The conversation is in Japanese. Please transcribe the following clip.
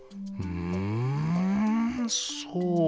うーん、そう。